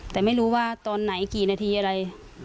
แต่ไม่รู้ว่าตอนไหนกี่นาทีอะไร